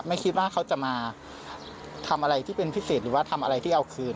ไม่คิดว่าเขาจะมาทำอะไรที่เป็นพิเศษหรือว่าทำอะไรที่เอาคืน